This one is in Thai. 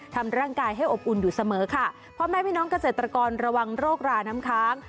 ทำร่างกายให้อบอุ่นอยู่เสมอค่ะพ่อแม่พี่น้องเกษตรกรระวังโรคราน้ำค้าง